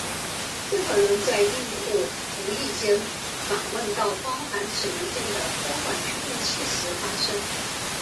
这可能在用户无意间访问到包含此文件的托管驱动器时发生。